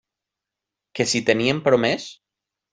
Que si tenien promès?